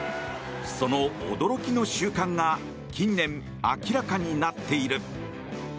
その驚きの習慣が近年、明らかになっている。